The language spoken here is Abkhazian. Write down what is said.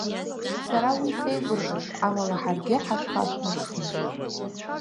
Сара уи сеигәырӷьоит, амала ҳаргьы ҳашәхашәмыршҭын.